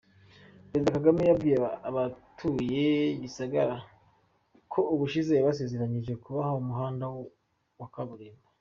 Perezida Kagame yabwiye abatuye Gisagara ko ubushize yabasezeranyije kubaha umuhanda wa kaburimbo.